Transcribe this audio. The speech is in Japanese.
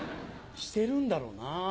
してるんだろうな。